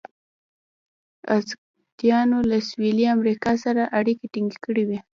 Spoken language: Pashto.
ازتکانو له سویلي امریکا سره اړیکې ټینګې کړې وې.